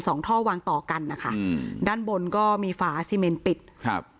ท่อวางต่อกันนะคะอืมด้านบนก็มีฝาซีเมนปิดครับ